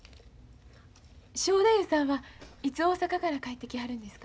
正太夫さんはいつ大阪から帰ってきはるんですか？